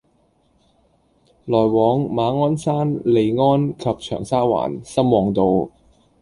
來往馬鞍山（利安）及長沙灣（深旺道），